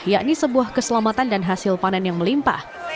yakni sebuah keselamatan dan hasil panen yang melimpah